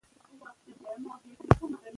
که لیدل وي نو رنګ نه غلطیږي.